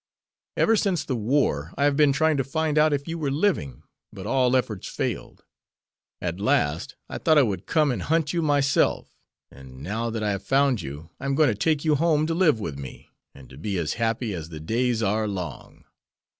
Ever since the war I have been trying to find out if you were living, but all efforts failed. At last, I thought I would come and hunt you myself and, now that I have found you, I am going to take you home to live with me, and to be as happy as the days are long.